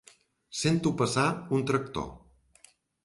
Sento passar un tractor.